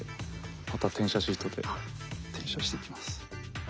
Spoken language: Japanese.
あとは転写シートで転写していきます。